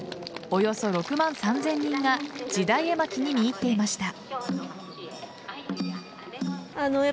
およそ６万３０００人が時代絵巻に見入っていました。